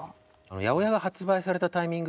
８０８が発売されたタイミング